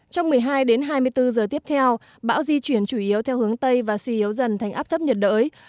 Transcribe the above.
trong một mươi hai đến hai mươi bốn giờ tiếp theo bão di chuyển chủ yếu theo hướng tây và suy yếu dần thành áp thấp nhiệt đới